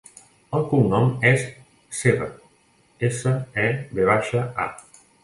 El cognom és Seva: essa, e, ve baixa, a.